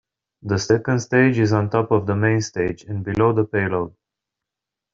The second stage is on top of the main stage and below the payload.